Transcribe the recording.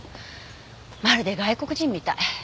まるで外国人みたい。